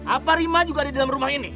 apa rima juga ada di dalam rumah ini